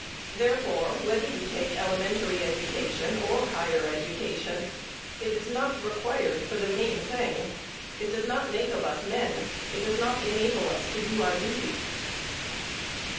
Therefore, whether you take elementary education or higher education, it is not required for the main thing. It does not make of us men. It does not enable us to do our duty.